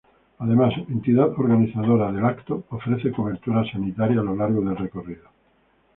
Además, entidad organizadora del evento, ofrece cobertura sanitaria a lo largo del recorrido.